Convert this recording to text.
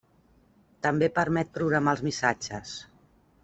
També permet programar els missatges.